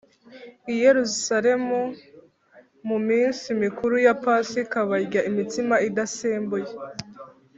i Yerusalemu mu minsi mikuru ya pasika barya imitsima idasembuye